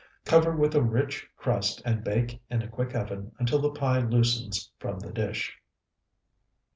Cover with a rich crust and bake in a quick oven until the pie loosens from the dish.